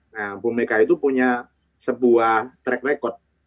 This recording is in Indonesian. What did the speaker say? nah bu mega itu punya sebuah track record